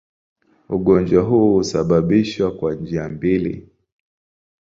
Ugonjwa huu husababishwa kwa njia mbili.